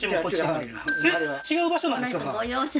違う場所なんですか？